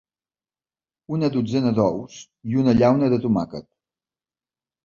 Una dotzena d'ous i una llauna de tomàquet.